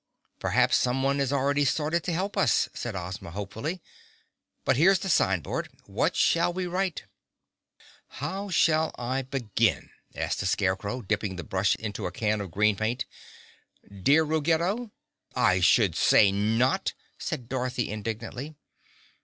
"Perhaps someone has already started to help us," said Ozma hopefully. "But here's the sign board. What shall we write?" "How shall I begin?" asked the Scarecrow, dipping the brush into a can of green paint. "Dear Ruggedo?" "I should say not," said Dorothy indignantly.